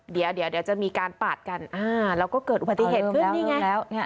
เดี๋ยวจะมีการปาดกันแล้วก็เกิดอุบัติเหตุขึ้นแล้ว